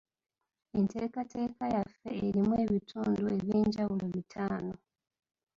Enteekateeka yaffe erimu ebitundu eby'enjawulo bitaano.